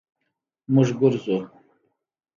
مونږ ګرځو